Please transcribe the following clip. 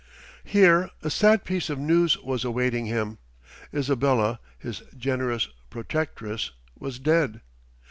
Here a sad piece of news was awaiting him. Isabella, his generous protectress, was dead.